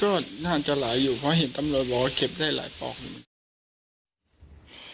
ก็น่าจะหลายอยู่เพราะเห็นตำรวจบอกว่าเก็บได้หลายปอกเหมือนกัน